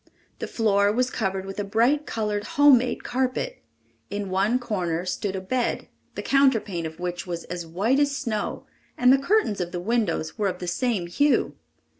The floor was covered with a bright colored home made carpet. In one corner stood a bed, the counterpane of which was as white as snow, and the curtains of the windows were of the same hue.